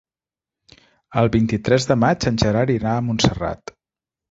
El vint-i-tres de maig en Gerard irà a Montserrat.